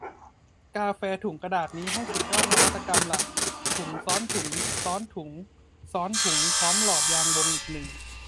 กาแฟถุงกระดาษนี่ให้สุดยอดนวัตกรรมละ ถุงซ้อนถุงซ้อนถุงซ้อนถุงพร้อมหลอดยางวงอีกหนึ่ง